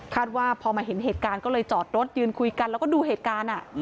ว่าพอมาเห็นเหตุการณ์ก็เลยจอดรถยืนคุยกันแล้วก็ดูเหตุการณ์